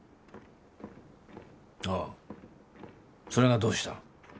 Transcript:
ああそれがどうした？